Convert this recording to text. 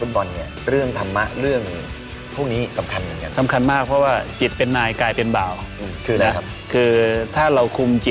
เขาเรียกว่าขอความมั่นใจกำลังใจ